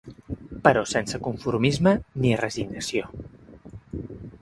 Però sense conformisme ni resignació.